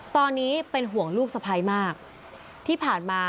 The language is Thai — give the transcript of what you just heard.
ตอนนี้เป็นห่วงลูกสะพ้ายมากที่ผ่านมา